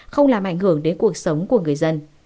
không làm ảnh hưởng đến cuộc sống của người dân